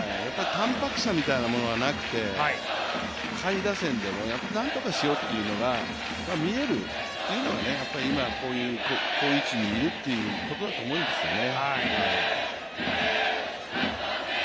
淡白さみたいなものがなくて、下位打線でも何とかしようというのが見えるのが今、好位置にいるということなんですよね。